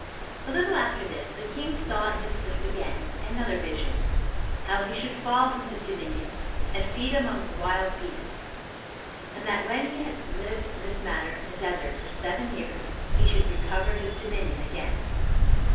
6. A little after this the king saw in his sleep again another vision; how he should fall from his dominion, and feed among the wild beasts, and that when he halt lived in this manner in the desert for seven years, 19 he should recover his dominion again.